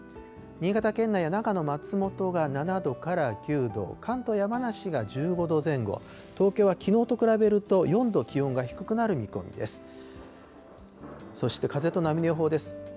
新潟県内や長野、松本が７度から９度、関東、山梨が１５度前後、東京はきのうと比べると４度気温が低くなる見込みです。